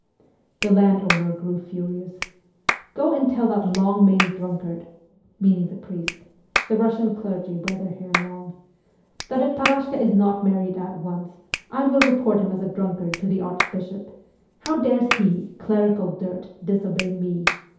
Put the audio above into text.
'" The landowner grew furious. ' Go and tell that long maned drunkard ' (meaning the priest ; the Kussian clergy wear their hair long) ' that if Parashka is not marriedx at once, I will report him as a drunkard to the archbishop. How dares he, clerical dirt, disobey me